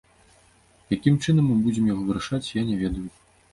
Якім чынам мы будзем яго вырашаць, я не ведаю.